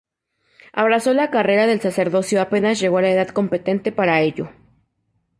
Abrazó la carrera del sacerdocio apenas llegó a la edad competente para ello.